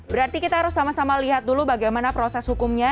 berarti kita harus sama sama lihat dulu bagaimana proses hukumnya